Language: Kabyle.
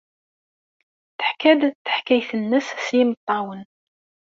Teḥka-d taḥkayt-nnes s yimeṭṭawen.